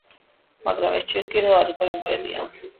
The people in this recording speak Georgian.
მაგრამ ეს ჯერ კიდევ არ იყო იმპერია.